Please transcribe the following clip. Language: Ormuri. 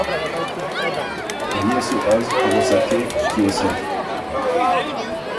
بيې سُو از غصۀ کېک کيې سېم؟